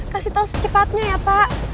kasih tahu secepatnya ya pak